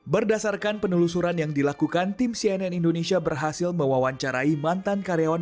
berdasarkan penelusuran yang dilakukan tim cnn indonesia berhasil mewawancarai mantan karyawan